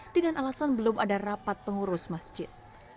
dengan alasan belum ada rapat pengurus masjid